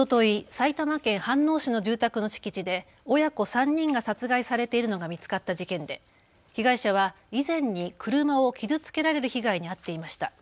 埼玉県飯能市の住宅の敷地で親子３人が殺害されているのが見つかった事件で被害者は以前に車を傷つけられる被害に遭っていました。